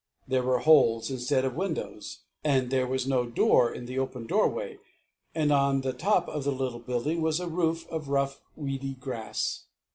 There were holes instead of windows, and there was no door in the open doorway; and on the top of the little building was a roof of rough, reedy grass.